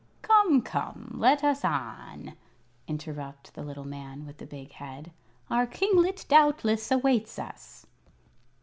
"Come, come! Let us on," interrupted the little man with the big head. "Our kinglet doubtless awaits us."